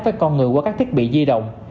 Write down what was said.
với con người qua các thiết bị di động